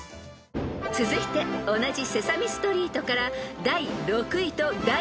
［続いて同じ『セサミストリート』から］